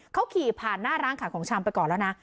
เขาขี่ผ่านหน้าร้านขายของชำไปก่อนแล้วนะ